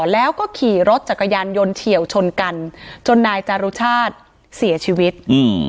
แล้วก็ขี่รถจักรยานยนต์เฉียวชนกันจนนายจารุชาติเสียชีวิตอืม